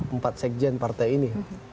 empat sekjen partai ini